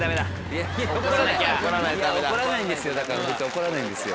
怒らないんですよ